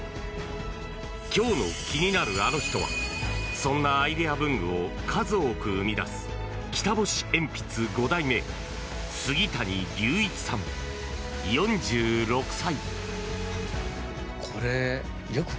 今日の気になるアノ人はそんなアイデア文具を数多く生み出す北星鉛筆５代目杉谷龍一さん、４６歳。